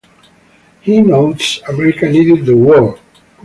He notes, America needed the war.